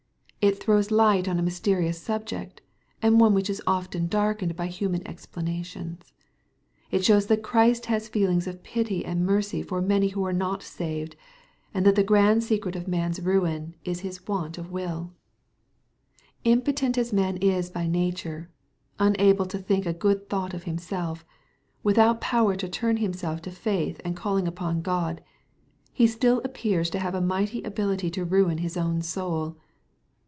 It throws light on a mysterious subject, and one which is often darkened by human explanations. It shows that Christ has feelings of pity and mercy for many who are not saved^ and that the grand secret of man's ruin is his want of wiU. vimpotent as man is by nature, — ^unable to thinkagood thought of himself, — without power to turn himself to faith and calling upon God,— [he still appears to have a mighty ability to ruin his own soul.